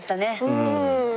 うん。